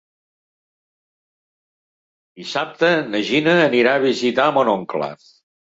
Dissabte na Gina anirà a visitar mon oncle.